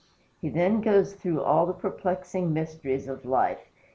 He then goes through with all the perplexing mysteries of life.